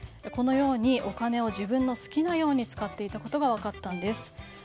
このようにお金を自分の好きなように使っていたことが分かったんです。